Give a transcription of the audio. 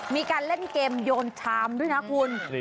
มีการเล่นเกมโยนชามด้วยนะคุณ